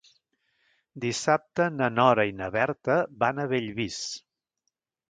Dissabte na Nora i na Berta van a Bellvís.